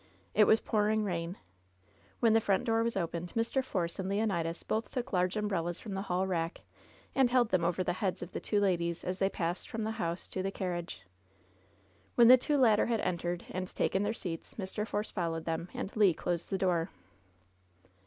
It was pouring rain. When the front door was opened Mr. Force and Leon idas both took large umbrellas from the hall rack and held them over the heads of the two ladies as they passed from the house to the carriage. When the two latter had entered and taken their seats, Mr. Force followed them, and Le closed the door.